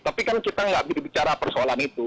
tapi kan kita nggak bisa bicara persoalan itu